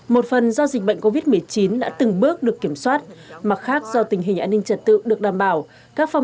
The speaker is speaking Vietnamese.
một phần do dịch bệnh covid một mươi chín đã từng bước được kiểm soát mặt khác do tình hình an ninh trật tự được đảm bảo các phòng